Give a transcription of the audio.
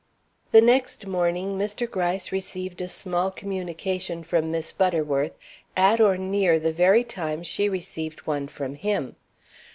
The next morning Mr. Gryce received a small communication from Miss Butterworth at or near the very time she received one from him.